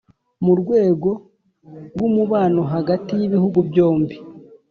mu rwego rw'umubano hagti y'ibihugu byombi,